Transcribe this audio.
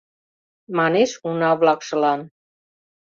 Манеш уна-влакшылан.